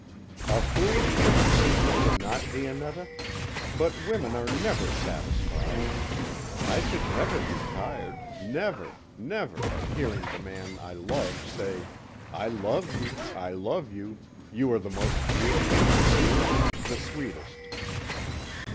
A foolish fancy, was it not, Dionetta? but women are never satisfied. I should never be tired never, never, of hearing the man I love say, 'I love you, I love you! You are the most beautiful, the dearest, the sweetest!'"